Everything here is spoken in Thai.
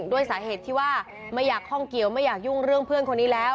ด้วยสาเหตุที่ว่าไม่อยากคล่องเกี่ยวไม่อยากยุ่งเรื่องเพื่อนคนนี้แล้ว